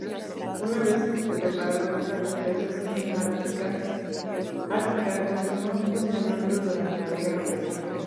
Una vez reparados los daños, la estación ártica continúa funcionando durante la guerra fría.